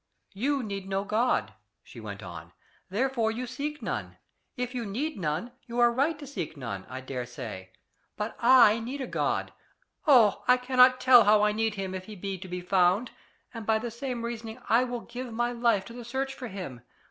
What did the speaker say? "You need no God," she went on, "therefore you seek none. If you need none, you are right to seek none, I dare say. But I need a God oh, I cannot tell how I need him, if he be to be found! and by the same reasoning I will give my life to the search for him.